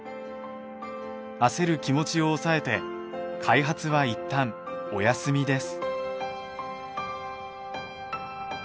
焦る気持ちを抑えて開発はいったんお休みです。